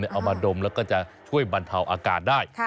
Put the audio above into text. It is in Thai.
เอามาดมแล้วก็จะช่วยบรรเทาอาการได้